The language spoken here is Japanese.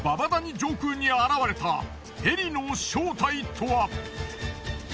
上空に現れたヘリの正体とは。